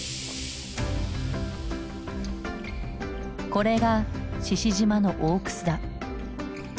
これが志々島の大くすだ。